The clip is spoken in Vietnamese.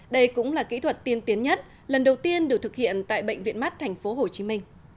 đây cũng là kỹ thuật tiên tiến nhất lần đầu tiên được thực hiện tại bệnh viện mắt tp hcm